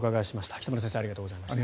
北村先生、宮下さんありがとうございました。